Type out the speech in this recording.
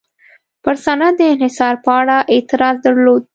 پر صنعت د انحصار په اړه اعتراض درلود.